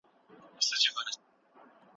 که تعلیم پراخ لید ورکړي، فکر محدود نه کېږي.